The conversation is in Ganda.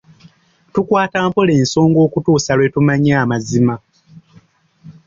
Tukwata mpola ensonga okutuusa lwe tumanya amazima.